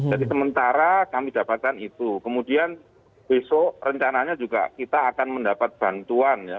jadi sementara kami dapatkan itu kemudian besok rencananya juga kita akan mendapat bantuan ya